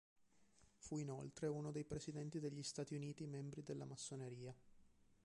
Fu inoltre uno dei presidenti degli Stati Uniti membri della Massoneria.